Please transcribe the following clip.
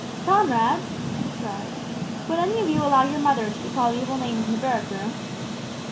'Comrades,' he cried; 'would any of you allow your mother to be called evil names in the barrack room?'